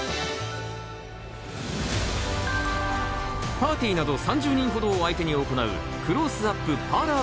パーティーなど３０人ほどを相手に行うクロースアップパーラー